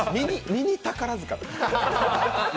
ミニ宝塚。